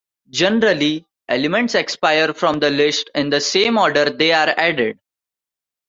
Generally, elements expire from the list in the same order they are added.